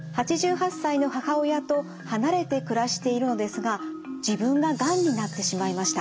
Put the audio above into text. ８８歳の母親と離れて暮らしているのですが自分ががんになってしまいました。